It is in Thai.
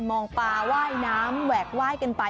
มองปลาว่ายน้ำแหวกไหว้กันไป